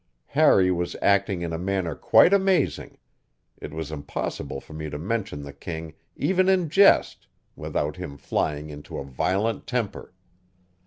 Harry was acting in a manner quite amazing; it was impossible for me to mention the king even in jest without him flying into a violent temper.